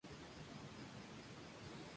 Hubo una incesante sucesión de conspiraciones.